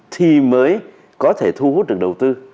thì mới có thể thu hút được đầu tư